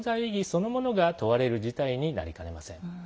そのものが問われる事態になりかねません。